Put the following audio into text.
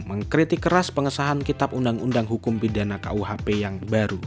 mengkritik keras pengesahan kitab undang undang hukum pidana kuhp yang baru